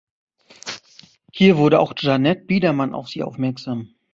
Hier wurde auch Jeanette Biedermann auf sie aufmerksam.